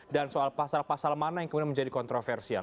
dan soal pasal pasal mana yang kemudian menjadi kontroversial